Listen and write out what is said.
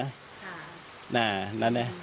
นั่นแหละ